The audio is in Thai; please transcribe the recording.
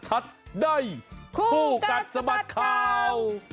ในคู่กันสปัดเข้า